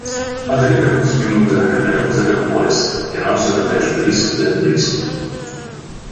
Адылі бягуць мінуты, далёка забег поезд, — яна ўсё такая ж блізкая, блізкая.